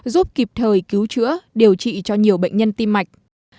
giúp kịp thời cứu chữa điều trị cho nhiều bệnh nhân tim mạch